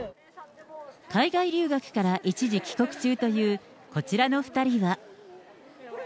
海外留学から一時帰国中という、こちらの２人は。